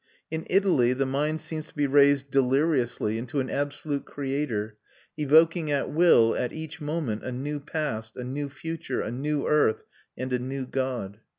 In Italy, the mind seems to be raised deliriously into an absolute creator, evoking at will, at each moment, a new past, a new future, a new earth, and a new God.